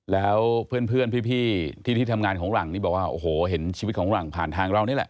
แล้วเพื่อนพี่ที่ทำงานของหลังนี่บอกว่าโอ้โหเห็นชีวิตของหลังผ่านทางเรานี่แหละ